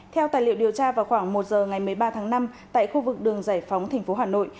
theo tài liệu điều tra vào khoảng một giờ ngày một mươi ba tháng năm tại khu vực đường giải phóng thành phố hà nội